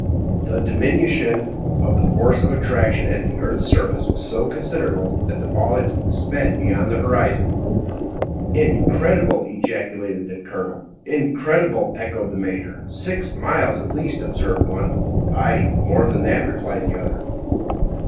The diminution of the force of attraction at the earth's surface was so considerable that the ball had sped beyond the horizon. "Incredible!" ejaculated the colonel. "Incredible!" echoed the major. "Six miles at least!" observed the one. "Ay, more than that!" replied the other.